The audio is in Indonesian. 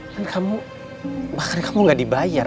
dan kamu bahkan kamu gak dibayar